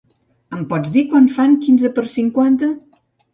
Em pots dir quant fan quinze per cinquanta?